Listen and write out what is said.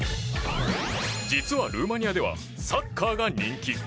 実はルーマニアではサッカーが人気。